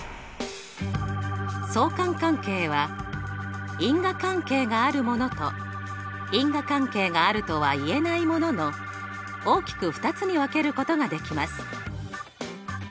相関関係は因果関係があるものと因果関係があるとはいえないものの大きく２つに分けることができます。